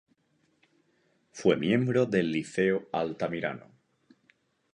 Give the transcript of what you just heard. Fue miembro del Liceo Altamirano.